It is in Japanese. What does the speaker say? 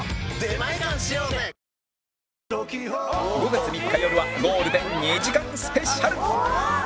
５月３日よるはゴールデン２時間スペシャル